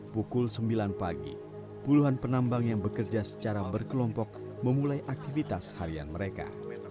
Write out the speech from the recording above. pukul sembilan pagi puluhan penambang yang bekerja secara berkelompok memulai aktivitas harian mereka